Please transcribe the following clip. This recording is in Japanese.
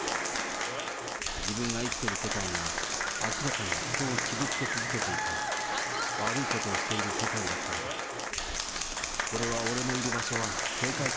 自分が生きてる世界が、明らかに人を傷つけ続けていて、悪いことをしている世界だったので、これは、俺のある場所は正解か？